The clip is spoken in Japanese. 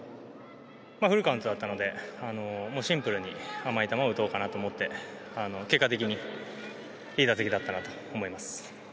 フルカウントだったのでシンプルに甘い球を打とうかなと思って結果的にいい打席だったなと思います。